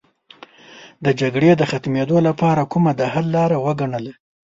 د جګړې ختمېدو لپاره کومه د حل لاره وګڼله.